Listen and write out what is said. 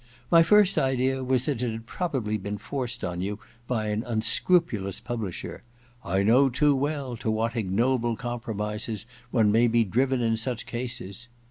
My first idea was that it had probably been forced on you by an un scrupulous publisher — ^I know too well to what ignoble compromises one may be driven in such cases 1